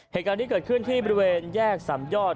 เหตุการณ์นี้เกิดขึ้นที่บริเวณแยกสามยอด